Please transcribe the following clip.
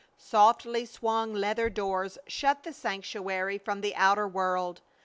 Softly swung leather doors shut the sanctuary from the outer world.